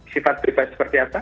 sifat bebas seperti apa